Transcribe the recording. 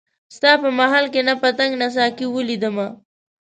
ستا په محفل کي نه پتنګ نه ساقي ولیدمه